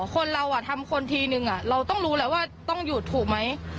คนเราทำคนทีนึงเราต้องรู้แล้วว่าต้องหยุดถูกไหม